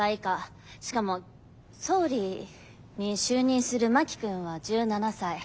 しかも総理に就任する真木君は１７才。